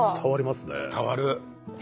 伝わる。